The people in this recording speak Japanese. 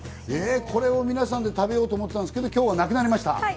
これを皆さんで食べようと思ってたんですが、なくなりました。